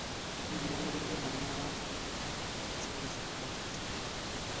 后藤新平为台湾日治时期各项政经建设的基础肇始者。